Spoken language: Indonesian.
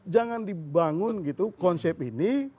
kita bangun gitu konsep ini